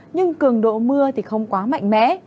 nhưng cường độ mưa thì không quá mạnh mẽ